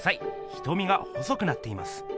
瞳が細くなっています。